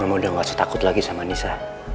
gak mau dong kasih takut lagi sama nisa